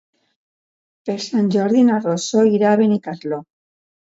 Per Sant Jordi na Rosó irà a Benicarló.